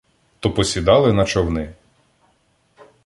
То посідали на човни.